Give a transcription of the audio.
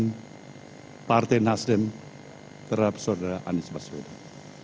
hai partai nasdem terhadap saudara anies baswedan